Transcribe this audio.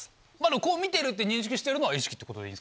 こう見てるって認識してるのは意識ってことでいいですかね？